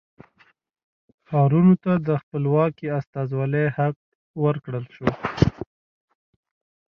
ښارونو ته د خپلواکې استازولۍ حق ورکړل شو.